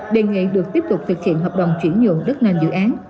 đề nghị được tiếp tục thực hiện hợp đồng chuyển nhuận đất nền dự án